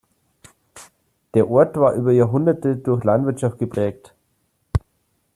Der Ort war über Jahrhunderte durch Landwirtschaft geprägt.